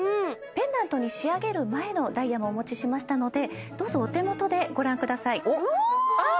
ペンダントに仕上げる前のダイヤもお持ちしましたのでどうぞお手もとでご覧くださいうおっ！